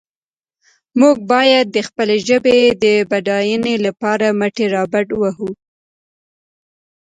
موږ باید د خپلې ژبې د بډاینې لپاره مټې رابډ وهو.